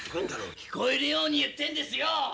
聞こえるように言ってんですよ！